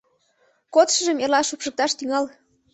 — Кодшыжым эрла шупшыкташ тӱҥал.